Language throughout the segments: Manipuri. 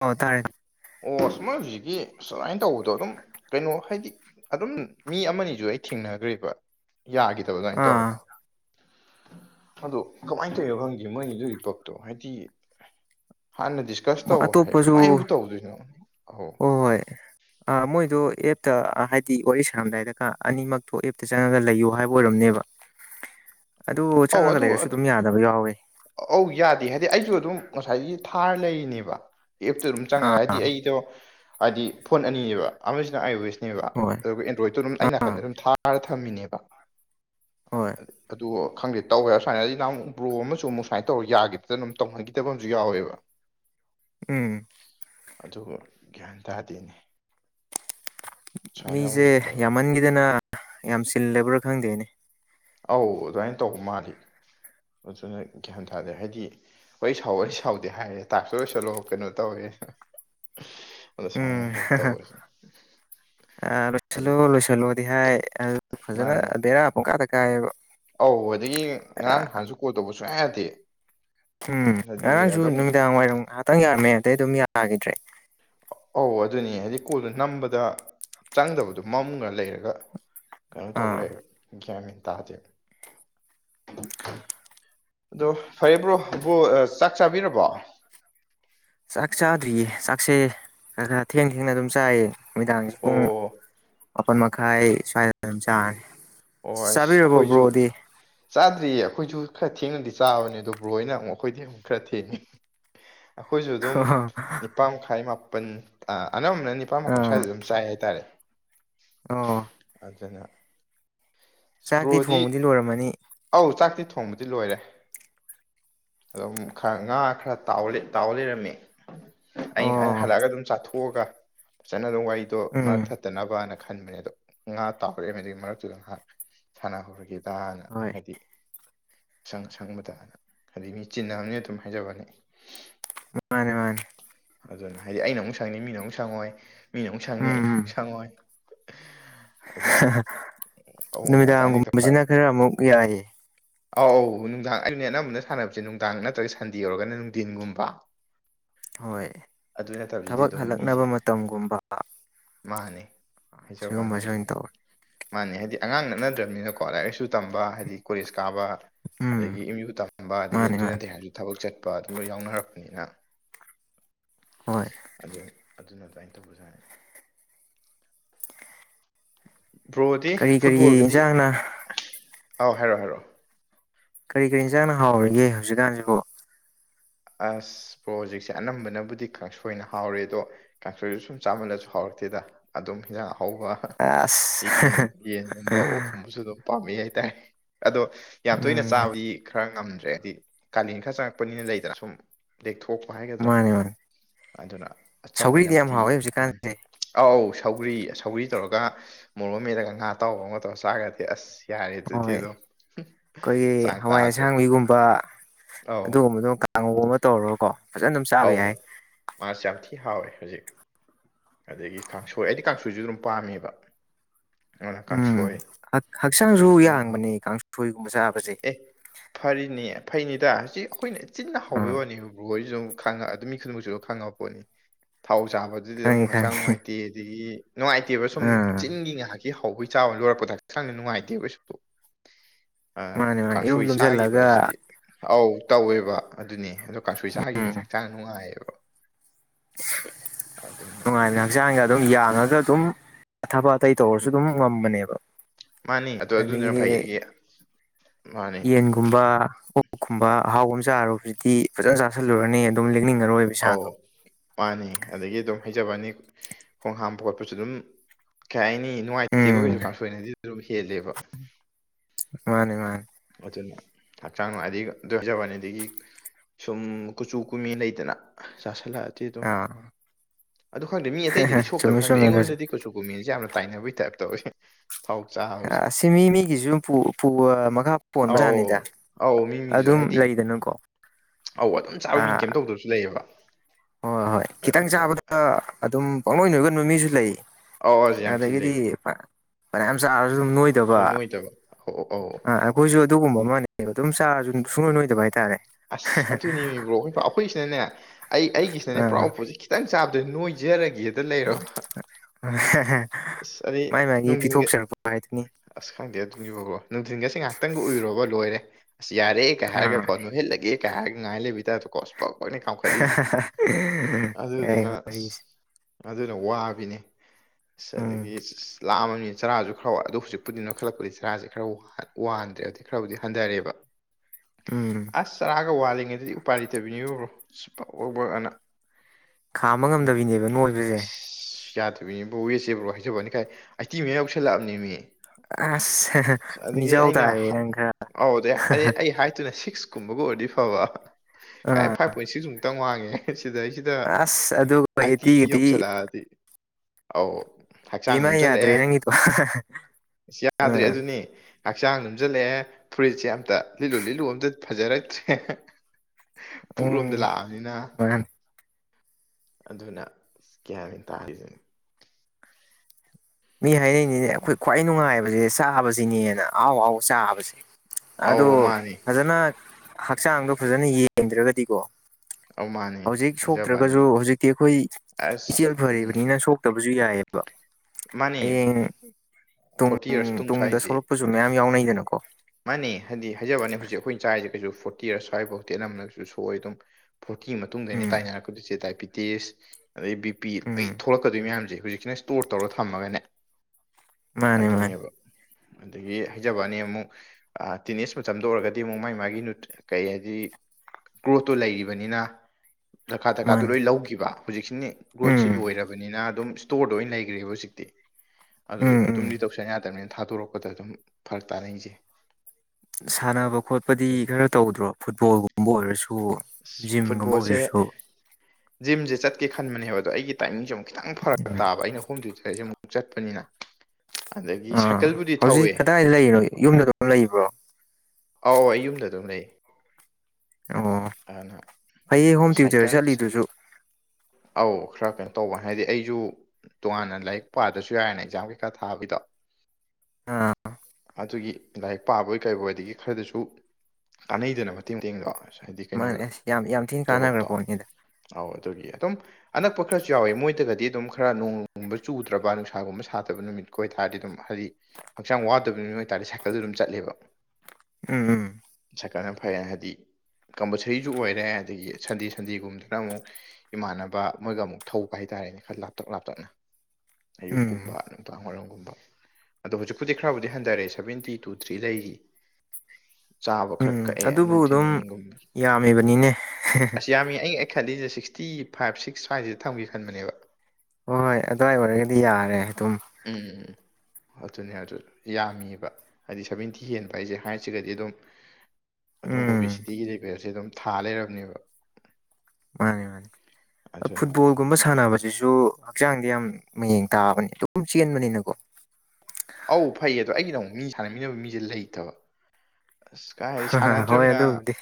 ꯑꯣ ꯇꯥꯔꯦ ꯑꯣ ꯁꯃꯥꯏ ꯍꯧꯖꯤꯛꯀꯤ ꯁꯨꯃꯥꯏꯅ ꯇꯧꯕꯗꯣ ꯑꯗꯨꯝ ꯀꯩꯅꯣ ꯍꯥꯏꯗꯤ ꯑꯗꯨꯝ ꯃꯤ ꯑꯃꯅꯤꯖꯨ ꯑꯩ ꯊꯦꯡꯅꯒ꯭ꯔꯦꯕ ꯌꯥꯒꯤꯗꯕ ꯑꯗꯨꯃꯥꯏꯅ ꯑꯥ ꯇꯧꯔꯒ ꯑꯗꯣ ꯀꯃꯥꯏꯟ ꯇꯧꯔꯤꯅꯣ ꯈꯪꯗꯦ ꯃꯣꯏ ꯑꯗꯨꯒꯤ ꯄꯛꯇꯣ ꯍꯥꯏꯗꯤ ꯍꯥꯟꯅ ꯗꯤꯁꯀꯁ ꯇꯧ ꯍꯥꯏ ꯑꯇꯣꯞꯄꯁꯨ ꯍꯣꯏ ꯀꯃꯥꯏꯅꯕꯨ ꯇꯧꯗꯣꯏꯅꯣ ꯑꯣ ꯍꯣꯏ ꯃꯣꯏꯗꯣ ꯑꯦꯞꯇ ꯍꯥꯏꯗꯤ ꯋꯥꯔꯤ ꯁꯥꯔꯝꯗꯥꯏꯗꯀꯥ ꯑꯅꯤꯃꯛꯇꯣ ꯑꯦꯞꯇ ꯆꯪꯉꯒ ꯂꯩꯌꯣ ꯍꯥꯏꯕ ꯑꯣꯏꯔꯝꯅꯦꯕ ꯑꯗꯨ ꯆꯪꯉꯒ ꯂꯩꯔꯁꯨ ꯑꯗꯨꯝ ꯌꯥꯗꯕ ꯌꯥꯎꯋꯦ ꯑꯑꯧ ꯌꯥꯗꯦ ꯍꯥꯏꯗꯤ ꯑꯩꯁꯨ ꯑꯗꯨꯝ ꯉꯁꯥꯏꯗꯒꯤ ꯊꯥꯔ ꯂꯩꯔꯤꯅꯦꯕ ꯑꯦꯞꯇꯣ ꯑꯗꯨꯝ ꯑꯥ ꯆꯪꯉꯒ ꯍꯥꯏꯗꯤ ꯑꯩꯗꯣ ꯍꯥꯏꯗꯤ ꯐꯣꯟ ꯑꯅꯤꯅꯦꯕ ꯑꯃꯁꯤꯅ ꯑꯥꯢ ꯑꯣ ꯑꯦꯁ ꯅꯦꯕ ꯍꯣꯏ ꯑꯗꯨꯒ ꯑꯦꯟꯗ꯭ꯔꯣꯏꯗꯇꯣ ꯑꯗꯨꯝ ꯑꯩ ꯅꯥꯀꯟꯗ ꯑꯥ ꯑꯗꯨꯝ ꯊꯥꯔ ꯊꯝꯃꯤꯅꯦꯕ ꯍꯣꯏ ꯑꯥ ꯑꯗꯨꯋꯣ ꯈꯪꯗꯦ ꯇꯧꯋꯦ ꯁꯨꯃꯥꯏꯅ ꯑꯩꯗꯤ ꯅꯍꯥꯟꯃꯨꯛ ꯕ꯭ꯔꯣ ꯑꯃꯁꯨ ꯑꯃꯨꯛ ꯁꯨꯃꯥꯏꯅ ꯇꯧꯔ ꯌꯥꯒꯤꯗꯗꯥꯅ ꯑꯗꯨꯝ ꯇꯧꯅꯒꯤꯗꯕ ꯑꯃꯁꯨ ꯌꯥꯎꯋꯦꯕ ꯎꯝ ꯑꯗꯨꯕꯨ ꯒ꯭ꯌꯥꯟ ꯇꯥꯗꯦꯅꯦ ꯁꯨꯃꯥꯏꯅ ꯃꯤꯖꯦ ꯑꯃꯨꯛ ꯇꯧꯋꯦ ꯌꯥꯝꯃꯟꯒꯤꯗꯅ ꯌꯥꯝ ꯆꯤꯜꯂꯕ꯭ꯔꯥ ꯈꯪꯗꯦꯅꯦ ꯑꯧ ꯑꯗꯨꯃꯥꯏꯅ ꯇꯧꯕ ꯃꯥꯜꯂꯤ ꯑꯗꯨꯅ ꯒ꯭ꯌꯥꯟ ꯇꯥꯗꯦ ꯍꯥꯏꯗꯤ ꯋꯥꯔꯤ ꯁꯥꯎ ꯋꯥꯔꯤ ꯁꯥꯎꯗꯤ ꯍꯥꯏꯔꯦ ꯇꯥꯛꯁ ꯇꯣ ꯂꯣꯏꯁꯜꯂꯣ ꯀꯩꯅꯣ ꯇꯧꯔꯦ [inaudible] ꯁꯨꯃꯥꯏꯅ ꯍꯦꯛ ꯇꯧꯕ [inaudible] ꯑꯥ ꯂꯣꯏꯁꯤꯜꯂꯣ ꯂꯣꯏꯁꯤꯜꯂꯣꯗꯤ ꯍꯥꯏ ꯑꯥ ꯐꯖꯅ ꯃꯥꯅꯤ ꯕꯦꯔꯥ ꯄꯨꯡꯀꯥꯗ ꯀꯥꯏꯌꯦꯕ ꯑꯧ ꯑꯗꯒꯤ ꯉꯔꯥꯡ ꯉꯥꯍꯥꯟꯁꯨ ꯀꯣꯜ ꯇꯧꯕ ꯁꯨꯡꯌꯥ ꯌꯥꯗꯦ ꯎꯝ ꯍꯥꯏꯗꯤ ꯉꯔꯥꯡꯁꯨ ꯑꯗꯨꯝ ꯅꯨꯃꯤꯗꯥꯡ ꯋꯥꯏꯔꯝ ꯉꯥꯍꯥꯛꯇꯪ ꯌꯥꯔꯝꯃꯦ ꯑꯗꯩ ꯑꯗꯨꯝ ꯌꯥꯒꯤꯗ꯭ꯔꯦ ꯑꯧ ꯑꯗꯨꯅꯤ ꯍꯥꯏꯗꯤ ꯀꯣꯜꯗꯣ ꯅꯝꯕꯗ ꯆꯪꯗꯕꯗꯣ ꯃꯝꯒ ꯂꯩꯔꯒ ꯀꯩꯅꯣꯝ ꯇꯧ ꯑꯥ ꯂꯩꯌꯦꯕꯥ ꯒ꯭ꯌꯥꯟ ꯃꯦꯟ ꯇꯥꯗꯦ ꯑꯗꯣ ꯐꯔꯦ ꯕ꯭ꯔꯣ ꯕ꯭ꯔꯣ ꯑ ꯆꯥꯛ ꯆꯥꯕꯤꯔꯕꯣ ꯆꯥꯛ ꯆꯥꯗ꯭ꯔꯤꯌꯦ ꯆꯥꯛꯁꯦ ꯈꯔ ꯈꯔ ꯊꯦꯡ ꯊꯦꯡꯅ ꯑꯗꯨꯝ ꯆꯥꯏꯌꯦ ꯅꯨꯃꯤꯗꯥꯡ ꯄꯨꯡ ꯑꯣ ꯃꯥꯄꯟ ꯃꯈꯥꯏ ꯁ꯭ꯋꯥꯏ ꯑꯗꯨꯝ ꯆꯥꯅꯤ ꯑꯣ ꯑꯁ ꯆꯥꯕꯤꯔꯕꯣ ꯑꯩꯈꯣꯏꯁꯨ ꯕ꯭ꯔꯣꯗꯤ ꯆꯥꯗ꯭ꯔꯤꯌꯦ ꯑꯩꯈꯣꯏꯁꯨ ꯈꯔ ꯊꯦꯡꯅꯗꯤ ꯆꯥꯕꯅꯦ ꯑꯗꯨ ꯕ꯭ꯔꯣꯅ ꯑꯃꯨꯛ ꯑꯩꯈꯣꯏꯗꯤ ꯑꯃꯨꯛ ꯈꯔ ꯊꯦꯡꯉꯦ [inaudible] ꯑꯩꯈꯣꯏꯁꯨ ꯑꯗꯨꯝ ꯑꯣ ꯅꯤꯄꯥꯥꯟ ꯃꯈꯥꯏ ꯃꯥꯄꯟ ꯑ ꯑꯅꯝꯕꯅ ꯅꯤꯄꯥꯥꯟ ꯃꯈꯥꯏ ꯑꯥ ꯁ꯭ꯋꯥꯏꯗ ꯑꯗꯨꯝ ꯆꯥꯏ ꯍꯥꯏꯇꯥꯔꯦ ꯑꯣ ꯖꯅ ꯆꯥꯛꯇꯤ ꯕ꯭ꯔꯣꯗꯤ ꯊꯣꯡꯕꯗꯤ ꯂꯣꯏꯔꯝꯃꯅꯤ ꯑꯧ ꯆꯥꯛꯇꯤ ꯊꯣꯡꯕꯗꯤ ꯂꯣꯏꯔꯦ ꯑꯗꯨꯝ ꯈꯥ ꯉꯥ ꯈꯔ ꯇꯥꯎ ꯂꯩ ꯇꯥꯎ ꯂꯩꯔꯝꯃꯦ ꯑꯩꯩꯅ ꯍꯥꯏꯅ ꯑꯣ ꯍꯜꯂꯛꯑꯒ ꯑꯗꯨꯝ ꯆꯥꯊꯣꯛꯑꯒ ꯐꯖꯅ ꯑꯗꯨꯝ ꯋꯥꯔꯤꯗꯣ ꯃꯔꯛ ꯎꯝ ꯊꯠ ꯇꯅꯕꯅ ꯈꯟꯕꯅꯦ ꯑꯗꯣ ꯉꯥ ꯇꯥꯎꯔ [unintelligible] ꯃꯔꯛꯇꯨꯗ ꯉꯍꯥꯛ ꯁꯥꯟꯅꯍꯧꯔꯒꯦꯗꯥꯟ ꯍꯣꯏ ꯍꯥꯏꯗꯤ ꯁꯪ ꯁꯪꯕꯗ ꯍꯥꯏꯕꯗꯤ ꯃꯤ ꯆꯤꯟꯅꯕꯅꯤ ꯑꯗꯨꯝ ꯍꯥꯏꯖꯕ ꯋꯥꯅꯤ ꯃꯥꯅꯦ ꯃꯥꯅꯦ ꯑꯗꯨꯅ ꯍꯥꯏꯗꯤ ꯑꯩꯅ ꯑꯃꯨꯛ ꯁꯪꯅꯤ ꯃꯤꯅ ꯑꯃꯨꯛ ꯁꯪꯉꯣꯏ ꯃꯤꯅ ꯑꯃꯨꯛ ꯁꯪꯅꯤ ꯎꯝ ꯑꯩꯅ ꯎꯝ ꯁꯪꯉꯣꯏ ꯑꯗꯨꯅ ꯑꯃꯨꯛ ꯑꯃꯨꯛ ꯑꯗꯥꯏꯅ ꯍꯦꯛꯇ ꯐꯔꯛ ꯅꯨꯃꯤꯗꯥꯡꯒꯨꯝꯕꯁꯤꯅ ꯈꯔ ꯑꯃꯨꯛ ꯌꯥꯏꯌꯦ ꯑꯧ ꯑꯧ ꯅꯨꯡꯗꯥꯡ ꯑꯩꯅꯦ ꯑꯅꯝꯕꯅ ꯁꯥꯟꯅꯕꯁꯦ ꯅꯨꯡꯗꯥꯡ ꯅꯠꯇ꯭ꯔꯒ ꯁꯟꯗꯦ ꯑꯣꯏꯔꯒꯅ ꯅꯨꯡꯗꯤꯟꯒꯨꯝꯕ ꯍꯣꯏ ꯅꯠꯇꯕꯁꯤꯗꯤ ꯊꯕꯛ ꯍꯜꯂꯛꯅꯕ ꯃꯇꯝꯒꯨꯝꯕ ꯃꯥꯅꯦ ꯍꯥꯏꯖꯕꯋꯅꯤ ꯁꯤꯒꯨꯝꯕꯁꯦ ꯑꯣꯏꯅ ꯑꯗꯨꯝ ꯇꯧꯋꯦ ꯃꯥꯅꯦ ꯍꯥꯏꯗꯤ ꯑꯉꯥꯡ ꯅꯠꯅꯗ꯭ꯔꯝꯃꯤꯅꯀꯣ ꯂꯥꯏꯔꯤꯛꯁꯨ ꯇꯝꯕ ꯍꯥꯏꯗꯤ ꯀꯣꯂꯦꯖ ꯀꯥꯕ ꯎꯝ ꯑꯗꯒꯤ ꯑꯦꯝ ꯌꯨ ꯇꯝꯕ ꯑꯗꯒꯤ ꯃꯥꯅꯤ ꯑꯗꯨ ꯃꯥꯅꯤ ꯅꯠꯇꯦ ꯍꯥꯏ ꯊꯕꯛ ꯆꯠꯄ ꯑꯗꯨꯝ ꯂꯣꯏ ꯌꯥꯎꯅꯔꯛꯄꯅꯤꯅ ꯍꯣꯏ ꯑꯗꯨ ꯑꯗꯨꯅ ꯑꯗꯨꯃꯥꯏꯅ ꯇꯧꯕꯖꯥꯠꯅꯤ ꯕ꯭ꯔꯣꯗꯤ ꯀꯔꯤ ꯀꯔꯤ ꯐꯨꯠꯕꯣꯜꯒꯗꯤ ꯏꯟꯖꯥꯡꯅ ꯑꯥꯎ ꯍꯥꯏꯔꯛꯑꯣ ꯍꯥꯏꯔꯛꯑꯣ ꯀꯔꯤ ꯀꯔꯤ ꯏꯟꯖꯥꯡꯅ ꯍꯥꯎꯔꯤꯒꯦ ꯍꯧꯖꯤꯛꯀꯥꯟꯁꯤꯕꯨ ꯑꯁ ꯕ꯭ꯔꯣ ꯍꯧꯖꯤꯛꯁꯦ ꯑꯅꯝꯕꯅꯕꯨꯗꯤ ꯀꯥꯡꯁꯣꯏꯅ ꯍꯥꯎꯔꯦ ꯑꯗꯣ ꯀꯥꯡꯁꯣꯏꯑꯣꯏꯔꯁꯨ ꯁꯨꯝ ꯆꯥꯃꯜꯂꯁꯨ ꯍꯧꯔꯛꯇꯦꯗ ꯑꯗꯨꯝ ꯍꯤꯡꯖꯥꯡ ꯑꯍꯥꯎꯕ ꯑꯁ ꯌꯦꯟ ꯌꯦꯟꯒꯨꯝꯕ ꯑꯣꯛꯀꯨꯝꯕꯁꯨ ꯑꯗꯨꯝ ꯄꯥꯝꯃꯤ ꯍꯥꯏꯇꯥꯔꯦ ꯑꯗꯣ ꯌꯥꯝ ꯇꯣꯏꯅ ꯎꯝ ꯆꯥꯕꯒꯤ ꯈꯔ ꯉꯝꯗ꯭ꯔꯦ ꯍꯥꯏꯗꯤ ꯀꯥꯂꯦꯟ ꯈꯔ ꯆꯪꯉꯛꯄꯅꯤꯅ ꯂꯩꯗꯅ ꯁꯨꯝ ꯂꯦꯛꯊꯣꯛꯄ ꯍꯥꯏꯒꯗ꯭ꯔꯥ ꯑꯗꯨꯅ ꯁꯧꯒꯔꯤꯗꯤ ꯌꯥꯝ ꯑꯆꯝꯕꯅꯕꯨꯗꯤ ꯍꯥꯎꯋꯦ ꯄꯥꯝꯃꯤ ꯍꯧꯖꯤꯛꯀꯥꯟꯁꯦ ꯑꯧ ꯁꯧꯒ꯭ꯔꯤ ꯁꯧꯒ꯭ꯔꯤ ꯇꯧꯔꯒ ꯃꯣꯔꯣꯛ ꯑꯃ ꯃꯠꯂꯥꯒ ꯉꯥ ꯑꯇꯥꯎꯕ ꯑꯃ ꯇꯧꯔꯒ ꯆꯥꯈ꯭ꯔꯗꯤ ꯑꯁ ꯌꯥꯔꯦ ꯍꯣꯏ ꯑꯗꯨꯗꯤ ꯑꯗꯨꯝ ꯑꯩꯈꯣꯏꯒꯤ ꯆꯥꯡ ꯍꯋꯥꯏ ꯇꯥꯗ꯭ꯔꯦ ꯑꯁꯥꯡꯕꯤꯒꯨꯝꯕ ꯑꯧ ꯑꯗꯨ ꯀꯥꯡꯉꯧ ꯑꯃ ꯇꯧꯔꯒꯀꯣ ꯐꯖꯅ ꯑꯗꯨꯝ ꯆꯥꯕ ꯌꯥꯏ ꯃꯥꯁꯦ ꯌꯥꯝ ꯊꯤ ꯍꯥꯎꯋꯦ ꯍꯧꯖꯤꯛ ꯑꯗꯒꯤ ꯀꯥꯡꯁꯣꯏ ꯑꯩꯗꯤ ꯀꯥꯡꯁꯣꯏꯁꯨ ꯑꯗꯨꯝ ꯄꯥꯝꯃꯦꯕ ꯑꯗꯨꯅ ꯎꯝ ꯀꯥꯡꯁꯣꯏ ꯍꯛꯆꯥꯡꯁꯨ ꯀꯥꯡꯁꯣꯏꯁꯨ ꯑꯗꯨꯝ ꯍꯥꯎ ꯌꯥꯡꯕꯅꯤ ꯀꯥꯡꯁꯣꯏ ꯒꯨꯝꯕ ꯆꯥꯕꯁꯦ ꯑꯦ ꯐꯔꯤꯅꯦ ꯐꯩꯅꯤꯗ ꯍꯧꯛ ꯑꯩꯈꯣꯏꯅ ꯆꯤꯟꯅ ꯍꯥꯎꯕꯩ ꯎꯝ ꯋꯥꯅꯤ ꯒꯣꯏꯁꯤꯁꯨ ꯑꯗꯨꯝ ꯈꯪꯉ ꯑꯗꯨ ꯃꯤ ꯈꯨꯗꯤꯡꯃꯛꯁꯨ ꯈꯪꯉꯕ ꯄꯣꯠꯅꯤ ꯊꯥꯎ ꯆꯥꯕꯗꯨꯗꯤ ꯑꯗꯨꯝ ꯈꯪꯉꯤ ꯈꯪꯉꯤ ꯇꯦ ꯑꯗꯒꯤ ꯅꯨꯡꯉꯥꯏꯇꯦꯕ ꯁꯨꯝ ꯎꯝ ꯆꯤꯟꯒꯤ ꯉꯥꯏꯍꯥꯛꯀꯤ ꯍꯧꯕꯒꯤ ꯆꯥꯕ ꯂꯣꯏꯔꯛꯄꯗ ꯍꯛꯆꯥꯡꯗ ꯅꯨꯡꯉꯥꯏꯇꯦꯕ ꯀꯩꯁꯨ ꯃꯥꯅꯦ ꯃꯥꯅꯦ ꯏꯔꯨꯝ ꯀꯥꯡꯁꯣꯏ ꯁꯥꯈꯤꯕ ꯂꯨꯝꯁꯤꯜꯂꯒ ꯑꯁꯤꯗꯤ ꯑꯧ ꯇꯧꯋꯦꯕ ꯑꯗꯨꯅꯦ ꯑꯗꯣ ꯀꯥꯡꯁꯣꯏ ꯆꯥꯈꯤꯕꯁꯤꯗꯤ ꯎꯝ ꯍꯛꯆꯥꯡ ꯅꯨꯡꯉꯥꯏꯌꯦꯕ ꯑꯗꯨꯅ ꯅꯨꯡꯉꯥꯏꯕ ꯍꯛꯆꯥꯡꯗ ꯑꯗꯨꯝ ꯌꯥꯡꯉꯒ ꯑꯗꯨꯝ ꯊꯕꯛ ꯑꯇꯩ ꯇꯧꯔꯁꯨ ꯎꯝ ꯑꯗꯨꯝ ꯉꯝꯕꯅꯦꯕ ꯃꯥꯅꯤ ꯑꯗꯨ ꯑꯗꯨꯗꯨꯅ ꯐꯩ ꯑꯗꯒꯤꯗꯤ ꯑꯗꯒꯤ ꯃꯥꯅꯤ ꯒꯨꯝꯕ ꯑꯣꯛꯀꯨꯝꯕ ꯑꯍꯥꯎꯒꯨꯝꯕ ꯆꯥꯔꯨꯕꯁꯤꯗꯤ ꯐꯖꯅ ꯆꯥꯥꯁꯜꯂꯨꯔꯅꯤ ꯑꯗꯨꯝ ꯂꯦꯡꯅꯤꯡꯉꯔꯣꯏꯕ ꯑꯧ ꯏꯁꯥꯗꯣ ꯃꯥꯅꯤ ꯑꯗꯒꯤ ꯑꯗꯨꯝ ꯍꯥꯏꯖꯕ ꯋꯥꯅꯤ ꯈꯣꯡ ꯍꯥꯥꯝꯕ ꯈꯣꯠꯄꯁꯨ ꯑꯗꯨꯝ ꯀꯩ ꯍꯥꯏꯅꯤ ꯅꯨꯡꯉꯥꯏꯇꯦꯕ ꯎꯝ ꯀꯩꯁꯨ ꯀꯥꯡꯁꯣꯏꯅꯗꯤ ꯑꯗꯨ ꯑꯗꯨꯝ ꯍꯦꯜꯂꯦꯕ ꯃꯥꯅꯦ ꯃꯥꯅꯦ ꯑꯗꯨꯅꯤ ꯍꯛꯆꯥꯡ ꯅꯨꯡꯥꯏꯗꯒꯤ ꯑꯗꯨ ꯍꯥꯏꯖꯕꯅꯤ ꯑꯗꯒꯤ ꯁꯨꯝ ꯀꯨꯆꯨ ꯀꯨꯃꯦꯟ ꯂꯩꯗꯅ ꯆꯥꯥꯁꯜꯂꯛꯑꯗꯤ ꯑꯗꯨꯝ ꯑꯥ ꯑꯗꯨ ꯈꯪꯗꯦ ꯃꯤ ꯑꯇꯩꯗꯗꯤ ꯁꯣꯛꯇꯕ ꯆꯨꯝꯃꯦ ꯈꯪꯗꯦ ꯆꯨꯝꯃꯦ ꯑꯗꯨꯁꯨ ꯑꯩꯉꯣꯟꯗꯗꯤ ꯀꯨꯆꯨ ꯀꯨꯃꯦꯟꯁꯦ ꯌꯥꯝꯅ ꯇꯥꯏꯅꯕꯒꯤ ꯇꯥꯏꯞ ꯇꯧꯋꯤ ꯑꯁꯤ ꯃꯤ ꯃꯤꯒꯤꯁꯨ ꯃꯥ ꯄꯣꯟꯕꯖꯥꯅꯤꯗ ꯑꯧ ꯑꯧ ꯃꯤ ꯃꯤꯒꯤꯁꯨ ꯑꯗꯨꯝ ꯍꯥꯏꯗꯤ ꯂꯩꯗꯅꯀꯣ ꯑꯧ ꯑꯗꯨꯝ ꯆꯥꯕ ꯃꯤ ꯑꯥ ꯀꯩꯝ ꯇꯧꯗꯕꯁꯨ ꯂꯩꯌꯦꯕ ꯍꯣꯏ ꯍꯣꯏ ꯈꯤꯇꯪ ꯑꯗ ꯆꯥꯕꯗ ꯑꯗꯨꯝ ꯄꯛꯅꯣꯏ ꯅꯣꯏꯒꯟꯕ ꯃꯤꯁꯨ ꯂꯩ ꯑꯧ ꯑꯁ ꯌꯥꯝ ꯊꯤ ꯑꯗꯒꯤꯗꯤ ꯂꯩ ꯄꯥ ꯐꯅꯌꯥꯝ ꯆꯥꯔꯁꯨ ꯑꯗꯨꯝ ꯁꯨ ꯅꯣꯏꯗꯕ ꯑꯧ ꯑꯧ ꯑ ꯑꯩꯈꯣꯏꯁꯨ ꯑꯗꯨꯒꯨꯝꯕ ꯑꯃꯅꯦꯕ ꯑꯗꯨꯝ ꯆꯥꯔꯁꯨ ꯁꯨꯡꯅꯣꯏ ꯅꯣꯏꯗꯕ ꯍꯥꯏꯇꯥꯔꯦ ꯑꯁ ꯑꯗꯨꯅꯦꯃꯤ ꯕ꯭ꯔꯣ ꯑꯩꯈꯣꯏꯁꯤꯅꯅꯦ ꯑꯩ ꯑꯩꯒꯤꯁꯤꯅꯅꯦ ꯄꯨꯔꯥ ꯑꯥ ꯎꯄꯣꯖꯤꯠꯀꯤ ꯈꯤꯇꯪ ꯆꯥꯕꯗ ꯅꯣꯏꯖꯔꯒꯦ ꯂꯩꯔꯕ ꯑꯁ ꯑꯗꯩꯩ ꯃꯥꯏ ꯃꯥꯒꯤ ꯅꯨꯡꯊꯤꯟꯒ ꯄꯤꯊꯣꯛꯆꯔꯛꯄ ꯍꯥꯏꯗꯨꯅꯤ ꯑꯁ ꯈꯪꯗꯦ ꯑꯗꯨꯅꯤꯕ ꯕ꯭ꯔꯣ ꯅꯨꯡꯊꯤꯟꯒꯁꯤ ꯉꯍꯥꯛꯇꯪꯒ ꯎꯏꯔꯣꯕ ꯂꯣꯏꯔꯦ ꯑꯁ ꯌꯥꯔꯦꯍꯦꯒ ꯑꯥ ꯍꯥꯏꯔꯒꯀꯣ ꯅꯣꯏꯍꯜꯂꯒꯦ ꯀꯦꯒ ꯍꯥꯏꯒ ꯉꯥꯏ ꯂꯩꯕꯩ ꯇꯥꯏꯞꯇꯀꯣ ꯄꯛ ꯄꯛꯅꯤ ꯀꯥꯝꯈꯠꯂꯤꯁꯦ ꯌꯥꯏ ꯑꯗꯨꯗꯨꯅ ꯑꯁ ꯋꯥꯔꯤꯁꯦ ꯑꯗꯨꯅ ꯋꯥꯕꯤꯅꯤ ꯑꯁ ꯑꯗꯒꯤ ꯎꯝ ꯂꯥꯝꯃꯕꯅꯤꯅ ꯆꯔꯥꯁꯨ ꯈꯔ ꯋꯥ ꯑꯗꯣ ꯍꯧꯖꯤꯛꯄꯨꯗꯤ ꯅꯣꯏꯈꯠꯂꯛꯄꯗꯒꯤ ꯆꯔꯥꯁꯦ ꯈꯔ ꯍꯟ ꯋꯥꯟꯗ꯭ꯔꯦ ꯍꯥꯏꯗꯤ ꯈꯔꯕꯨꯗꯤ ꯍꯟꯊꯔꯦꯕ ꯎꯝ ꯑꯁ ꯆꯔꯥꯒ ꯋꯥꯜꯂꯤꯉꯩꯗꯗꯤ ꯎꯄꯥꯏ ꯂꯩꯇꯕꯤꯅꯤ ꯕ꯭ꯔꯣ ꯕꯛ ꯕꯛ ꯕꯛ ꯅ ꯈꯥꯝꯕ ꯉꯝꯗꯕꯤꯅꯦꯕ ꯅꯣꯏꯕꯁꯦ ꯑꯁ ꯌꯥꯗꯕꯤꯅꯦꯕꯣ ꯕ꯭ꯔꯣ ꯍꯥꯏꯖꯕꯅꯤ ꯀꯥꯏ ꯑꯩꯇꯤ ꯃꯌꯥ ꯌꯧꯁꯜꯂꯛꯑꯕꯅꯤꯃꯤ ꯑꯁ ꯑꯗꯒꯤ ꯃꯤꯖꯥꯎ ꯑꯩꯅ ꯇꯥꯔꯦ ꯅꯪ ꯈꯔ ꯑꯧ ꯑꯩ ꯍꯥꯏꯠꯇꯨꯅ ꯁꯤꯛꯁ ꯀꯨꯝꯕ ꯑꯣꯏꯔꯗꯤ ꯐꯥꯕ ꯀꯥꯏꯗꯩꯩ ꯐꯥꯏꯐ ꯄꯣꯏꯟꯠ ꯁꯤꯛꯁ ꯈꯤꯇꯪ ꯋꯥꯡꯉꯦ ꯁꯤꯗꯩꯁꯤꯗ ꯑꯁ ꯑꯗꯨꯒ ꯑꯥꯏꯇꯤ ꯑꯦꯠꯇꯤꯒꯗꯤ ꯌꯧꯁꯜꯂꯛꯑꯗꯤ ꯑꯧ ꯍꯛꯆꯥꯡ ꯏꯃ ꯅꯣꯝꯁꯤꯜꯂꯛꯑꯦ ꯌꯥꯗ꯭ꯔꯦ ꯅꯪꯒꯤꯗꯣ ꯑꯁ ꯌꯥꯗ꯭ꯔꯦ ꯑꯥ ꯑꯗꯨꯅꯤ ꯍꯛꯆꯥꯡ ꯅꯣꯝꯁꯤꯜꯂꯛꯑꯦ ꯐꯨꯔꯤꯠꯁꯦ ꯑꯝꯇ ꯂꯤꯠꯂꯨ ꯂꯤꯠꯂꯨ ꯑꯝꯇ ꯐꯖꯔꯛꯇ꯭ꯔꯦ ꯄꯨꯛ ꯂꯣꯝꯗ ꯎꯝ ꯂꯥꯛꯑꯕꯅꯤꯅ ꯃꯥꯅꯤ ꯑꯗꯨꯅ ꯀꯌꯥ ꯇ ꯍꯥꯏꯖꯉꯤ ꯃꯤ ꯍꯥꯏꯅꯩꯅꯤꯅꯦ ꯑꯩꯈꯣꯏ ꯈ꯭ꯋꯥꯏ ꯅꯨꯡꯉꯥꯏꯕꯕꯁꯤꯦ ꯆꯥꯕꯁꯤꯅꯦꯅ ꯑꯍ ꯑꯍꯥꯎ ꯆꯥꯕꯁꯦ ꯑꯧ ꯑꯗꯣ ꯃꯥꯅꯦ ꯐꯖꯅ ꯍꯛꯆꯥꯡꯗꯣ ꯐꯖꯅ ꯌꯦꯡꯗ꯭ꯔꯒꯗꯤꯀꯣ ꯑꯧ ꯃꯥꯅꯦ ꯍꯧꯖꯤꯛ ꯍꯥꯏꯖꯕꯩ ꯋꯥꯅꯤ ꯁꯣꯛꯇ꯭ꯔꯒꯁꯨ ꯍꯧꯖꯤꯛꯇꯤ ꯑꯩꯈꯣꯏ ꯑꯁ ꯏꯆꯦꯜ ꯎꯝ ꯐꯔꯤꯕꯅꯤꯅ ꯁꯣꯛ ꯐ ꯇꯕꯁꯨ ꯌꯥꯏꯑꯕ ꯃꯥꯅꯦ ꯍꯌꯦꯡ ꯇꯨꯡ ꯐꯣꯔꯇꯤ ꯌꯔꯁ ꯃꯇꯨꯡ ꯇꯨꯡꯗ ꯁ꯭ꯋꯥꯏꯁꯦ ꯁꯣꯛꯂꯛꯄꯁꯨ ꯃꯌꯥꯝ ꯌꯥꯎꯅꯩꯗꯅꯀꯣ ꯃꯥꯅꯦ ꯍꯥꯏꯗꯤ ꯍꯥꯏꯖꯕꯅꯦ ꯍꯧꯖꯤꯛ ꯑꯩꯈꯣꯏ ꯏ ꯆꯆꯥꯥꯏꯁꯦ ꯀꯩꯁꯨ ꯐꯣꯔꯇꯤ ꯌꯔꯁ ꯁ꯭ꯋꯥꯏꯐꯥꯎꯗꯤꯤ ꯑꯅꯝꯕꯅꯁꯨ ꯁꯣꯏ ꯑꯗꯨꯝ ꯐꯣꯔꯇꯤ ꯃꯇꯨꯡꯗꯅꯤ ꯎꯝ ꯇꯥꯏꯅꯔꯛꯄꯗꯣꯏꯁꯦ ꯗꯥꯏꯕꯤꯇꯤꯁ ꯑꯗꯩ ꯕꯤ ꯄꯤ ꯂꯩ ꯎꯝ ꯊꯣꯛꯂꯛ ꯑꯗꯨꯏ ꯃꯌꯥꯝꯁꯦ ꯍꯧꯖꯤꯛꯁꯤꯅ ꯏꯁꯇꯣꯔ ꯇꯧꯔ ꯊꯝꯃꯒꯅꯦ ꯃꯥꯅꯦ ꯃꯥꯅꯦ ꯑꯗꯨꯅꯦꯕ ꯑꯗꯒꯤ ꯍꯩꯖꯕꯅꯤ ꯑꯃꯨꯛ ꯇꯤꯅꯤꯁ ꯃꯇꯝꯗ ꯑꯣꯏꯔꯒꯗꯤ ꯑꯃꯨꯛ ꯃꯥꯏ ꯃꯥꯒꯤ ꯀꯩ ꯍꯥꯏꯗꯤ ꯀ꯭ꯔꯣꯠꯇꯨ ꯂꯩꯔꯤꯕꯅꯤꯅ ꯗꯀꯥ ꯇꯀꯥꯗꯨꯣ ꯃꯥꯅꯦ ꯂꯣꯏ ꯂꯧꯈꯤꯕ ꯍꯧꯖꯤꯛꯁꯤꯅꯤ ꯒ꯭ꯔꯣꯠꯁꯤ ꯎꯝ ꯂꯣꯏꯔꯕꯅꯤꯅ ꯑꯗꯨꯝ ꯏꯁ꯭ꯇꯣꯔꯗ ꯑꯣꯏꯅ ꯂꯩꯈ꯭ꯔꯦꯕ ꯍꯧꯖꯤꯛꯇꯤ ꯑꯗꯨ ꯎꯝ ꯎꯝ ꯑꯗꯨꯝꯗꯤ ꯇꯧꯁꯟ ꯌꯥꯗꯕꯅꯤꯅ ꯊꯥꯗꯣꯔꯛꯄꯗ ꯑꯗꯨꯝ ꯐꯔꯛ ꯇꯥꯅꯅꯤꯡꯁꯦ ꯁꯥꯟꯅꯕ ꯈꯣꯠꯄꯗꯤ ꯑꯗꯨ- ꯑꯁ ꯈꯔ ꯇꯧꯗ꯭ꯔꯣ ꯐꯨꯠꯕꯣꯜꯒꯨꯝꯕ ꯑꯣꯏꯔꯁꯨ ꯖꯤꯝꯒꯨꯝꯕ ꯐꯨꯠꯕꯣꯜꯁꯦ ꯑꯣꯏꯔꯁꯨ ꯖꯤꯝꯁꯦ ꯆꯠꯀꯦ ꯈꯟꯕꯅꯦꯕ ꯑꯗꯣ ꯑꯩꯒꯤ ꯇꯥꯏꯃꯤꯡꯁꯦꯨꯛ ꯈꯤꯇꯪ ꯐꯔꯛ ꯎꯝ ꯇꯥꯕ ꯑꯩꯅ ꯑꯍꯨꯝꯗꯨꯗ ꯑꯩꯁꯦ ꯑꯃꯨꯛ ꯆꯠꯄꯅꯤꯅ ꯑꯗꯒꯤ ꯑꯥ ꯁꯥꯏꯀꯜꯕꯨꯗꯤ ꯍꯧꯖꯤꯛ ꯊꯧꯋꯦ ꯀꯗꯥꯏꯗ ꯂꯩꯔꯤꯅꯣ ꯌꯨꯝꯗ ꯑꯗꯨꯝ ꯂꯩꯕ꯭ꯔꯣ ꯑꯥꯎ ꯑ ꯑꯩ ꯌꯨꯝꯗ ꯑꯗꯨꯝ ꯂꯩ ꯑꯅ ꯑꯩ ꯍꯣꯝ ꯇ꯭ꯌꯨꯇꯔ ꯆꯠꯂꯤꯗꯨꯁꯨ ꯑꯧ ꯈꯔ ꯀꯩꯅꯣ ꯇꯧꯕ ꯍꯥꯏꯗꯤ ꯑꯩꯁꯨ ꯇꯣꯉꯥꯟꯅ ꯂꯥꯏꯔꯤꯛ ꯄꯥꯗꯁꯨ ꯌꯥꯔꯦꯅꯦ ꯑꯦꯛꯖꯥꯝ ꯀꯩꯀꯥ ꯊꯥꯕꯕꯤꯗꯣ ꯑꯥ ꯑꯗꯨꯒꯤ ꯂꯥꯏꯔꯤꯛ ꯄꯥꯕꯣꯏ ꯀꯩꯕꯣꯏ ꯑꯗꯒꯤ ꯈꯔꯗꯁꯨ ꯀꯥꯟꯅꯩꯗꯅ ꯃꯇꯦꯡ ꯃꯇꯦꯡꯗꯣ ꯍꯥꯏꯗꯤ ꯃꯥꯅꯦ ꯀꯩꯅꯣꯗꯣ ꯑꯁ ꯌꯥꯝ ꯊꯤꯅ ꯀꯥꯟꯅꯈ꯭ꯔ ꯇꯣꯂꯣꯞꯇꯣ ꯄꯣꯠꯅꯤꯗ ꯑꯧ ꯑꯗꯨꯒꯤ ꯑꯗꯨꯝ ꯑꯅꯛꯄ ꯈꯔꯁꯨ ꯌꯥꯎꯋꯦ ꯃꯣꯏꯗꯒꯗꯤ ꯑꯗꯨꯝ ꯈꯔ ꯅꯣꯡꯒꯨꯝꯕ ꯆꯨꯗ꯭ꯔꯕ ꯅꯨꯡꯁꯥꯒꯨꯝꯕ ꯁꯥꯗꯕ ꯅꯨꯃꯤꯠ ꯀ ꯑꯣꯏꯇꯥꯥꯔꯗꯤ ꯑꯗꯨꯝ ꯍꯥꯏꯗꯤ ꯍꯛꯆꯥꯡ ꯋꯥꯗꯕꯅꯤ ꯃꯤ ꯑꯣꯏꯇꯥꯔꯗꯤ ꯁꯥꯏꯀꯜꯗꯨ ꯑꯗꯨꯝ ꯆꯠꯂꯦꯕ ꯎꯝ ꯎꯝ ꯁꯔꯀꯔꯅ ꯐꯩ ꯍꯥꯏꯕꯗꯤ ꯀꯝꯄꯜꯁꯔꯤꯁꯨ ꯑꯣꯏꯔꯦ ꯑꯗꯒꯤ ꯁꯟꯗꯦ ꯁꯟꯗꯦꯒꯨꯝꯗꯅ ꯑꯃꯨꯛ ꯏꯃꯥꯟꯅꯕ ꯃꯣꯏꯒ ꯑꯃꯨꯛ ꯊꯧꯕ ꯍꯥꯏꯇꯥꯔꯦꯅꯦ ꯈꯔ ꯂꯥꯞꯇꯛ ꯂꯥꯞꯇꯛꯅ ꯑꯌꯨꯛꯀꯨꯝꯕ ꯎꯝ ꯅꯨꯡꯗꯥꯡ ꯋꯥꯏꯔꯝꯒꯨꯝꯕ ꯑꯗꯣ ꯍꯧꯖꯤꯛꯄꯨꯗꯤ ꯈꯔꯕꯨꯗꯤ ꯍꯟꯊꯔꯛꯑꯦ ꯁꯕꯦꯟꯇꯤ ꯇꯨ ꯊ꯭ꯔꯤ ꯂꯩꯒꯤ ꯆꯥꯕ ꯈꯔ ꯎꯝ ꯀꯛꯑꯦ ꯑꯗꯨꯕꯨ ꯑꯗꯨꯝ ꯅꯨꯡꯊꯤꯤꯟꯒꯨꯝꯕ ꯌꯥꯝꯃꯤꯕꯅꯤꯅꯦ ꯑꯁ ꯌꯥꯝꯃꯤ ꯑꯩ ꯑꯩ ꯈꯜꯂꯤꯁꯦ ꯁꯤꯛꯁꯇꯤ ꯐꯥꯏꯚ ꯁꯤꯛꯁ ꯁ꯭ꯋꯥꯏꯁꯤꯗ ꯊꯝꯒꯦ ꯈꯟꯕꯅꯦꯕ ꯍꯣꯏ ꯍꯣꯏ ꯑꯗꯨꯋꯥꯏ ꯑꯣꯏꯔꯒꯗꯤ ꯌꯥꯔꯦ ꯑꯗꯨꯝ ꯎꯝ ꯑꯗꯨꯅꯦ ꯑꯗꯨ ꯌꯥꯝꯃꯤꯕ ꯍꯥꯏꯗꯤ ꯁꯕꯦꯟꯇꯤ ꯍꯦꯟꯕ ꯍꯥꯏꯁꯦ ꯍꯥꯏꯠꯁꯤꯒꯗꯤ ꯑꯗꯨꯝ ꯑꯗꯨꯝ ꯑꯣ ꯎꯝ ꯕꯤ ꯁꯤꯇꯤꯒꯤ ꯀꯦꯜꯁꯦ ꯑꯗꯨꯝ ꯊꯥ ꯂꯩꯔꯕꯝꯅꯦꯕ ꯃꯥꯅꯦ ꯃꯥꯅꯦ ꯑꯗꯨꯅ ꯐꯨꯠꯕꯣꯜ ꯒꯨꯝꯕ ꯁꯥꯟꯅꯕꯁꯤꯁꯨ ꯍꯛꯆꯥꯡꯗꯤ ꯌꯥꯝ ꯃꯌꯦꯡ ꯇꯥꯕꯅꯤ ꯑꯗꯨꯝ ꯆꯦꯟꯕꯅꯤꯅꯀꯣ ꯑꯧ ꯐꯩꯌꯦ ꯑꯗꯣ ꯑꯩꯒꯤꯗ ꯑꯃꯨꯛ ꯃꯤ ꯁꯥꯟꯅꯃꯤꯟꯅꯕ ꯃꯤꯁꯦ ꯂꯩꯇꯕ ꯑꯁ ꯀꯥꯏ ꯍꯥꯏ ꯍꯣꯏ ꯁꯥꯟꯅꯗ꯭ꯔꯝꯅ ꯑꯗꯨꯕꯨꯗꯤ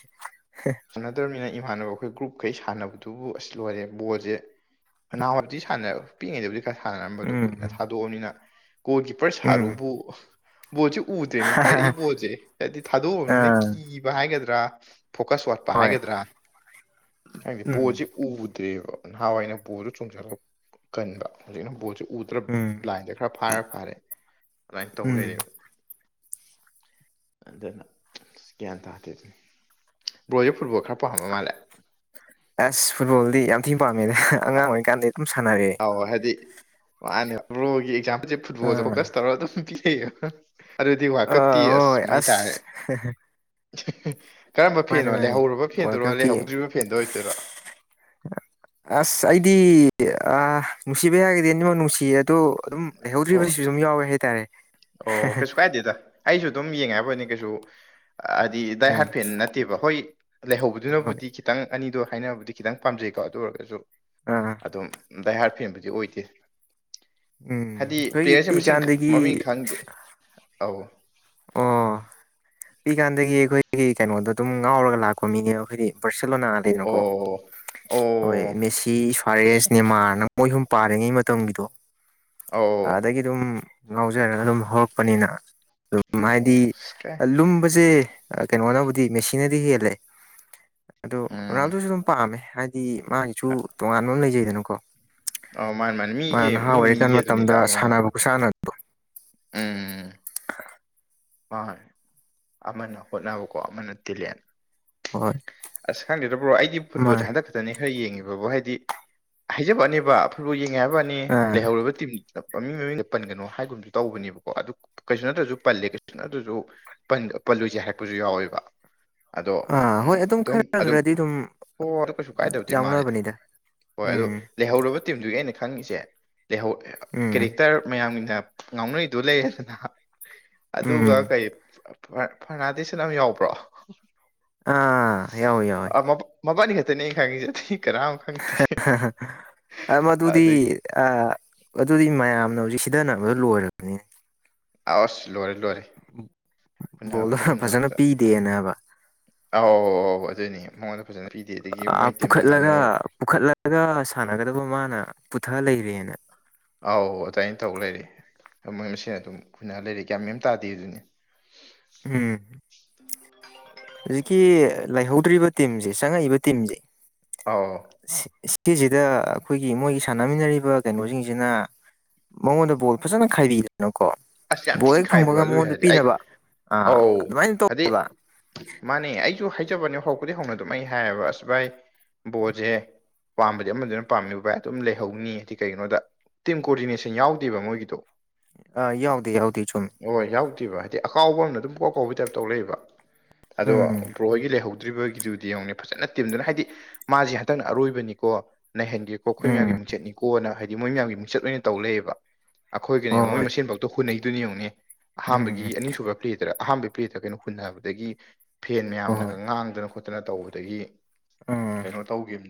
ꯁꯥꯟꯅꯗꯕꯅꯤꯅ ꯏꯃꯥꯟꯅꯕ ꯑꯩꯈꯣꯏ ꯒ꯭ꯔꯨꯞꯈꯩ ꯁꯥꯟꯅꯕꯗꯨꯕꯨ ꯑꯁ ꯂꯣꯏꯔꯦ ꯕꯣꯜꯁꯦ ꯑꯅꯥꯋꯥꯗꯤ ꯁꯥꯟꯅ ꯄꯛꯉꯩꯗꯕꯨꯗꯤ ꯈꯔ ꯁꯥꯟꯅꯔꯝꯕꯗꯨꯣ ꯎꯝ ꯀꯨꯏꯅ ꯊꯥꯗꯣꯛꯑꯕꯅꯤꯅ ꯒꯣꯜ ꯀꯤꯞꯄꯔ ꯎꯝ ꯁꯥꯔꯨꯕꯨ ꯕꯣꯜꯁꯦ ꯎꯗ꯭ꯔꯦꯅꯦ ꯄꯥꯏꯔꯛꯏ ꯕꯣꯜꯁꯦ ꯍꯥꯏꯗꯤ ꯊꯥꯗꯣꯛꯎꯕꯅꯤꯅ ꯑꯥ ꯀꯤꯕ ꯍꯥꯏꯒꯗ꯭ꯔꯥ ꯐꯣꯀꯁ ꯋꯥꯠ ꯍꯣꯏ ꯍꯥꯏꯒꯗ꯭ꯔꯥ ꯎꯝ ꯕꯣꯜꯁꯤ ꯎꯗ꯭ꯔꯦꯕ ꯅꯍꯥꯟꯋꯥꯏꯅ ꯕꯣꯁꯨ ꯆꯣꯡꯁꯤꯜꯂꯒ ꯀꯟꯕ ꯍꯧꯖꯤꯛꯅ ꯕꯣꯠꯁ ꯎꯝ ꯕꯥꯏꯟꯗ ꯈꯔ ꯐꯥꯔ ꯐꯥꯔꯦ ꯑꯗꯨꯃꯥꯏꯅ ꯇꯧ ꯎꯝ ꯂꯩꯔꯦꯕ [unintelligible] ꯑꯗꯨꯅ ꯒ꯭ꯌꯥꯟ ꯇꯥꯗꯦ ꯑꯗꯨ ꯕ꯭ꯔꯣꯖꯦ ꯐꯨꯠꯕꯣꯜ ꯈꯔ ꯄꯥꯝꯃ ꯃꯥꯜꯂꯦ ꯑꯁ ꯐꯨꯠꯕꯣꯜꯗꯤ ꯌꯥꯝ ꯊꯤꯅ ꯄꯥꯝꯃꯦꯗ ꯑꯉꯥꯡ ꯑꯣꯏꯔꯤꯀꯥꯟꯗꯤ ꯑꯗꯨꯝ ꯁꯥꯟꯅꯔꯛꯑꯦ ꯍꯣꯏ ꯍꯥꯏꯗꯤ ꯃꯥꯅꯦ ꯕ꯭ꯔꯣꯒꯤ ꯑꯦꯛꯖꯥꯝꯄꯜꯁꯦ ꯐꯨꯠꯕꯣꯜꯗ ꯑꯥ ꯐꯣꯀꯁ ꯇꯧꯔꯒ ꯑꯗꯨꯝ ꯄꯤꯌꯦꯕ ꯑꯗꯨꯗꯤ ꯑꯥ ꯋꯥꯀꯞꯇꯤ ꯍꯣꯏ ꯑꯁ ꯃꯩ ꯇꯥꯔꯦ ꯀꯔꯝꯕ ꯃꯥꯅꯤ ꯐꯦꯟꯅꯣ ꯃꯥꯅꯤ ꯂꯩꯍꯧꯔꯕ ꯋꯥꯔꯜ ꯐꯦꯟꯗꯨꯔꯣ ꯀꯞꯀꯤ ꯂꯩꯍꯧꯗ꯭ꯔꯤꯕ ꯐꯦꯟꯗꯣ ꯑꯣꯏꯗꯣꯏꯔꯣ ꯑꯁ ꯑꯩꯗꯤ ꯅꯨꯡꯁꯤꯕ ꯍꯥꯏꯒꯗꯤ ꯑꯅꯤꯃꯛ ꯅꯨꯡꯁꯤꯌꯦ ꯑꯗꯣ ꯑꯗꯨꯝ ꯑꯣ ꯂꯩꯍꯧꯗ꯭ꯔꯤꯕꯁꯤꯁꯨ ꯑꯗꯨꯝ ꯌꯥꯎꯋꯦ ꯍꯥꯏꯇꯥꯔꯦ ꯑꯣ ꯀꯩꯁꯨ ꯀꯥꯏꯗꯦꯗ ꯑꯩꯁꯨ ꯑꯗꯨꯝ ꯌꯦꯡꯉꯦ ꯍꯥꯏꯕꯣꯏꯅꯦ ꯀꯩꯁꯨ ꯍꯥꯏꯗꯤ ꯗꯥꯏ ꯎꯝ ꯍꯥꯔꯐꯦꯟ ꯅꯠꯇꯦ ꯅꯠꯇꯦꯕ ꯍꯣꯏ ꯍꯣꯏ ꯂꯩꯍꯧꯕꯗꯨꯅꯕꯨꯗꯤ ꯈꯤꯇꯪ ꯑꯅꯤꯗꯣ ꯍꯥꯏꯅꯕꯕꯨꯗꯤ ꯈꯤꯇꯪ ꯄꯥꯝꯖꯩꯀꯣ ꯑꯗꯨ ꯑꯣꯏꯔꯒꯁꯨ ꯑꯥ ꯑꯗꯨꯝ ꯗꯥꯥꯏꯍꯥꯔ ꯐꯦꯡꯕꯗꯤ ꯑꯣꯏꯗꯦ ꯎꯝ ꯍꯥꯏꯗꯤ ꯑꯩꯈꯣꯏꯒꯤ ꯄ꯭ꯂꯦꯌꯔꯁꯦ ꯃꯁꯤꯡ ꯄꯤꯛꯏꯀꯥꯟꯗꯒꯤ ꯃꯃꯤꯡ ꯈꯪꯗꯦ ꯑꯧ ꯑꯣ ꯄꯤꯀꯥꯟꯗꯒꯤ ꯑꯩꯈꯣꯏꯒꯤ ꯀꯩꯅꯣꯗꯣ ꯑꯗꯨꯝ ꯉꯥꯎꯔꯒ ꯂꯥꯛꯄ ꯃꯤꯅꯦ ꯑꯩꯈꯣꯏꯗꯤ ꯕꯔꯁꯦꯂꯣꯅꯥ ꯂꯩꯅꯨꯀꯣ ꯑꯣ [unintelligible] ꯑꯣ ꯍꯣꯏ ꯃꯦꯁꯤ ꯁꯔꯦꯁ ꯅꯤꯃꯥꯔ ꯅꯪ ꯃꯣꯏ ꯁꯨꯝ ꯄꯥꯔꯤꯉꯩ ꯃꯇꯝꯒꯤꯗꯣ ꯑꯣ ꯑꯣ ꯑꯗꯒꯤ ꯑꯗꯨꯝ ꯉꯥꯎꯖꯔꯒ ꯑꯗꯨꯝ ꯍꯧꯔꯛꯄꯅꯤꯅ ꯑꯗꯨꯝ ꯍꯥꯏꯗꯤ ꯑꯣ ꯁꯀꯥꯏ ꯂꯨꯝꯕꯁꯦ ꯀꯩꯅꯣꯅꯕꯨꯗꯤ ꯃꯦꯁꯤꯅꯗꯤ ꯍꯦꯜꯂꯦ ꯑꯗꯣ ꯎꯝ ꯔꯅꯥꯥꯜꯗꯨꯁꯨ ꯑꯗꯨꯝ ꯄꯥꯝꯃꯦ ꯍꯥꯏꯗꯤ ꯃꯥꯒꯤꯁꯨ ꯇꯣꯉꯥꯟꯕ ꯑꯃ ꯂꯩꯖꯩꯗꯅꯀꯣ ꯑ ꯃꯥꯅꯤ ꯃꯥꯅꯤ ꯃꯥꯅ ꯃꯤꯒꯤ ꯅꯍꯥ ꯃꯤ ꯃꯤꯒꯤ ꯑꯣꯏꯔꯤꯀꯥꯟ ꯃꯇꯝꯗ ꯑꯗꯨꯅꯤꯗ ꯑꯃ ꯁꯥꯟꯅꯕ ꯈꯨꯁꯥꯟꯅꯗꯣ ꯎꯝ ꯃꯥ ꯑꯃꯅ ꯍꯣꯠꯅꯕꯀꯣ ꯑꯃꯅ ꯇꯦꯂꯦꯟ ꯍꯣꯏ ꯑꯁ ꯈꯪꯗꯦꯗꯕ꯭ꯔꯣ ꯑꯩꯗꯤ ꯐꯨꯠꯕꯣꯜꯁꯦ ꯃꯥꯅꯦ ꯍꯟꯗꯛ ꯇꯅꯤ ꯈꯔ ꯌꯦꯡꯉꯤꯕꯕꯨꯣ ꯍꯥꯏꯗꯤ ꯍꯥꯏꯖꯕꯑꯅꯦꯕ ꯐꯨꯠꯕꯣꯜ ꯌꯦꯡꯉꯦ ꯍꯥꯏꯕꯅꯤ ꯑꯥ ꯂꯩꯍꯧꯔꯕ ꯇꯤꯝ ꯃꯃꯤꯡ ꯃꯃꯤꯡꯅ ꯄꯟꯒꯅꯣ ꯍꯥꯏꯒꯨꯝꯗꯨ ꯇꯧꯕꯅꯦꯕꯀꯣ ꯑꯗꯨ ꯀꯩꯁꯨ ꯅꯠꯇ꯭ꯔꯁꯨ ꯄꯜꯂꯦ ꯑꯗꯨꯁꯨ ꯄꯜꯂꯣꯏꯁꯦ ꯍꯥꯏꯔꯛꯄꯁꯨ ꯌꯥꯎꯋꯦꯕ ꯑꯗꯣ ꯑꯥ ꯎꯝ ꯍꯣꯏ ꯑꯗꯨꯝ ꯈꯔ ꯑꯗꯨꯝ ꯈꯔꯗꯤ ꯕꯣꯜꯗ ꯀꯩꯁꯨ ꯀꯥꯏꯗꯕꯗꯤ ꯃꯥꯜꯂꯤꯗ ꯌꯥꯎꯅꯕꯅꯤꯗ ꯍꯣꯏ ꯑꯗꯨ ꯎꯝ ꯂꯩꯍꯧꯔꯕ ꯇꯤꯝꯗꯨꯒꯤ ꯑꯩꯅ ꯈꯪꯉꯤꯁꯦꯍꯧ ꯎꯝ ꯀꯦꯔꯦꯛꯇꯔ ꯃꯌꯥꯝꯒꯤꯅ ꯉꯥꯎꯅꯩꯗꯨ ꯂꯩꯔꯦꯗꯅ ꯑꯗꯨꯒ ꯎꯝ ꯀꯩ ꯐꯥꯔꯅꯥꯟꯗꯤꯁꯅ ꯑꯃ ꯌꯥꯎꯕ꯭ꯔꯣ ꯑꯥ ꯌꯥꯎꯋꯤ ꯌꯥꯎꯋꯤ ꯃꯕꯥꯅꯤ ꯈꯛꯇꯅꯦ ꯑ ꯈꯪꯉꯤꯁꯤꯗꯤ ꯀꯅꯥ ꯑꯃ ꯈꯪ ꯑꯃꯗꯨꯗꯤ ꯑꯗꯒꯤ ꯑꯗꯨꯗꯤ ꯃꯌꯥꯝꯅ ꯍꯧꯖꯤꯛ ꯁꯤꯗꯅꯕꯗꯨ ꯂꯣꯏꯔꯕꯅꯤ ꯑꯁ ꯂꯣꯏꯔꯦ ꯂꯣꯏꯔꯦ ꯕꯣꯜꯗꯣ ꯍꯨꯟꯅꯅꯕꯗ ꯐꯖꯅ ꯍꯨꯟꯅꯅꯕꯗ ꯄꯤꯗꯦꯅꯕ ꯑꯧ ꯑꯧ ꯑꯗꯨꯅꯤ ꯃꯉꯣꯟꯗ ꯐꯖꯅ ꯄꯤꯗꯦ ꯑꯗꯒꯤ ꯃꯣꯏ ꯇꯤꯝꯅ ꯄꯨꯈꯠꯂꯒ ꯑꯃꯨꯛ ꯄꯨꯈꯠꯂꯒ ꯁꯥꯟꯅꯒꯗꯕ ꯃꯥꯅ ꯄꯨꯊ ꯂꯩꯔꯦꯅ ꯑꯥꯎ ꯑꯗꯨꯃꯥꯏꯅ ꯇꯧ ꯂꯩꯔꯦ ꯃꯣꯏ ꯃꯁꯤ ꯑꯗꯨꯝ ꯀꯨꯅ ꯂꯩꯔꯤ ꯀꯌꯥꯝ ꯃꯦꯝ ꯇꯥꯗꯦ ꯑꯗꯨꯅꯤ ꯎꯝ ꯍꯧꯖꯤꯛꯀꯤ ꯂꯩꯍꯧꯗ꯭ꯔꯤꯕ ꯇꯤꯝꯁꯦ ꯆꯪꯉꯛꯏꯕ ꯇꯤꯝꯁꯦ ꯑꯥꯎ ꯁꯤꯁꯤꯗ ꯑꯩꯈꯣꯏꯒꯤ ꯃꯣꯏꯒꯤ ꯁꯥꯟꯅꯃꯤꯟꯅꯔꯤꯕ ꯀꯩꯅꯣꯁꯤꯡꯁꯤꯅ ꯃꯉꯣꯟꯗ ꯕꯣꯜ ꯐꯖꯅ ꯈꯥꯏꯕꯤꯛꯏꯗꯅꯀꯣ ꯑꯁ ꯌꯥꯝ ꯕꯣ ꯍꯦꯛ ꯊꯤꯅ ꯈꯥꯏꯕ꯭ꯔꯣ ꯐꯪꯕꯒ ꯑꯗꯨꯏ ꯃꯉꯣꯟꯗ ꯍꯥꯏꯔꯗꯤ ꯑꯩ ꯄꯤꯅꯕ ꯑꯥ ꯑꯧ ꯑꯗꯨꯃꯥꯏꯅ ꯍꯥꯏꯗꯤ ꯇꯧꯕꯤꯕ ꯃꯥꯅꯦ ꯑꯩꯁꯨ ꯍꯥꯏꯖꯕꯅꯦ ꯍꯧꯕꯗꯤ ꯍꯧꯅ ꯑꯗꯨꯝ ꯑꯩ ꯍꯥꯏꯌꯦꯕ ꯑꯁ ꯚꯥꯏ ꯕꯣꯁꯦ ꯄꯥꯝꯕꯗꯤ ꯑꯃꯗꯨꯅ ꯄꯥꯝꯃꯤꯕ ꯕꯥ ꯑꯗꯨꯝ ꯂꯩꯍꯧꯅꯤ ꯍꯥꯏꯗꯤ ꯀꯩꯒꯤꯅꯣꯗ ꯇꯤꯝ ꯀꯣꯑꯣꯗꯤꯅꯦꯁꯟ ꯌꯥꯎꯗꯦꯕ ꯃꯣꯏꯒꯤꯗꯣ ꯑ ꯌꯥꯎꯗꯤ ꯌꯥꯎꯗꯤ ꯆꯨꯝ ꯑꯣ ꯌꯥꯎꯗꯦꯕ ꯍꯥꯏꯗꯤ ꯑꯀꯥꯎꯕ ꯑꯃꯅ ꯑꯗꯨꯝ ꯄꯣꯛ ꯑꯀꯥꯎꯤꯒꯤ ꯇꯥꯏꯞꯇꯧ ꯂꯩꯛꯕ ꯑꯗꯣ ꯎꯝ ꯄ꯭ꯔꯣꯒꯤ ꯂꯩꯍꯧꯗ꯭ꯔꯤꯕꯒꯤꯗꯨꯗꯤ ꯌꯦꯡꯅꯤ ꯐꯖꯅ ꯇꯤꯝꯗꯨꯅ ꯍꯥꯏꯗꯤ ꯃꯥꯁꯦ ꯍꯟꯇꯛꯅ ꯑꯔꯣꯏꯕꯅꯤꯀꯣ ꯅꯩꯍꯟꯒꯦ ꯑꯩꯈꯣꯏ ꯃꯌꯥꯝꯒꯤ ꯎꯝ ꯃꯤꯡꯆꯠꯅꯤꯀꯣꯅ ꯍꯥꯏꯗꯤ ꯃꯣꯏ ꯃꯌꯥꯝꯒꯤ ꯃꯤꯡꯆꯠ ꯑꯣꯏꯅ ꯇꯧ ꯂꯩꯌꯦꯕ ꯑꯩꯈꯣꯏꯒꯤꯅꯦ ꯍꯣꯏ ꯌꯦꯡꯣ ꯃꯣꯏ ꯍꯣꯏ ꯃꯁꯦꯟ ꯐꯥꯎ ꯍꯨꯟꯅꯩꯗꯨꯅ ꯌꯦꯡꯉꯅꯦ ꯎꯝ ꯑꯍꯥꯟꯕꯒꯤ ꯑꯅꯤꯁꯨꯕ ꯄ꯭ꯂꯦꯗꯔ ꯑꯍꯥꯟꯕꯒꯤ ꯄ꯭ꯂꯦꯗꯔ ꯀꯩꯅꯣ ꯍꯨꯟꯅꯕꯗꯒꯤ ꯐꯦꯟ ꯍꯣꯏ ꯃꯌꯥꯝꯅꯒ ꯍꯣꯏ ꯉꯥꯡꯗꯅ ꯈꯣꯠꯇꯅ ꯇꯧꯕꯗꯒꯤ ꯎꯝ ꯀꯩꯅꯣ ꯇꯧꯈꯤꯕꯅꯤ